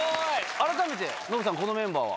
改めてノブさんこのメンバーは？